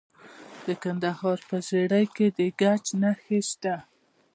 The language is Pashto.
د کندهار په ژیړۍ کې د ګچ نښې شته.